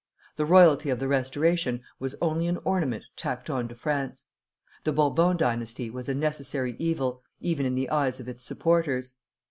The royalty of the Restoration was only an ornament tacked on to France. The Bourbon dynasty was a necessary evil, even in the eyes of its supporters.